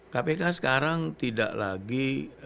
kpk sekarang tidak lagi